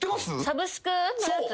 サブスクのやつ？